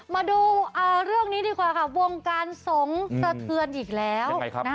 มาดูเรื่องนี้ดีกว่าค่ะวงการสงฆ์สะเทือนอีกแล้ว